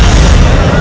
dan sampai dlatego